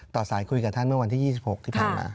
ต่อสายคุยกับท่านเมื่อวันที่๒๖ถึง๑๒นาที